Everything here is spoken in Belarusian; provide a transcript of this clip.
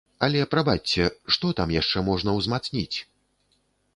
Але, прабачце, што там яшчэ можна ўзмацніць?